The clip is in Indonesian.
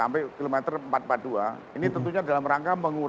ketika ini berhenti kita akan mencari jalan ke jawa timur